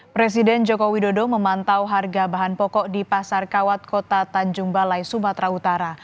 presiden joko widodo memantau harga bahan pokok di pasar kawat kota tanjung balai sumatera utara